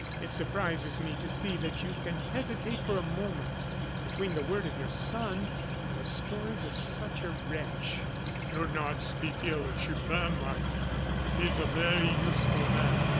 It surprises me to see that you can hesitate for a moment between the word of your son and the stories of such a wretch." "Do not speak ill of Chupin, Marquis; he is a very useful man.